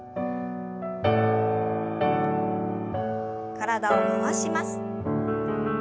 体を回します。